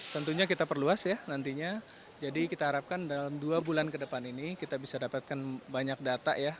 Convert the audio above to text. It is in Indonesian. tentunya kita perluas ya nantinya jadi kita harapkan dalam dua bulan ke depan ini kita bisa dapatkan banyak data ya